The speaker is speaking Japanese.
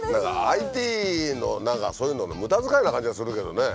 ＩＴの何かそういうのの無駄遣いな感じがするけどね。